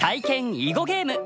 囲碁ゲーム。